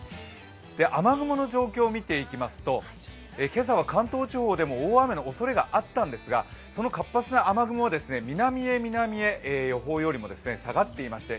雨雲の状況を見ていきますと今朝は関東地方でも大雨のおそれがあったんですが、その活発な雨雲は南へ南へ予報よりも下がっていまして